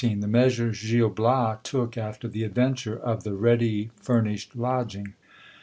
— T/ie measures Gil Bias took after the adventure of the ready fur nished lodging.